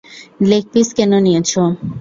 Leg piece কেন নিয়েছ?